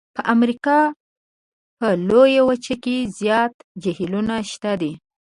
په امریکا په لویه وچه کې زیات جهیلونه شته دي.